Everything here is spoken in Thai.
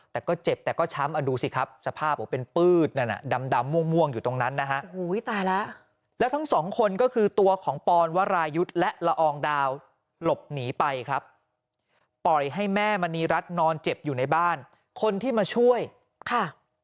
แต่ก็เจ็บแต่ก็ช้ำอ่ะดูสิครับสภาพเป็นปืดดำม่วงอยู่ตรงนั้นนะฮะ